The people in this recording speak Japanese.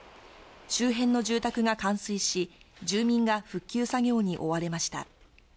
周辺の住宅が冠水し、住民が復旧作業に追われました。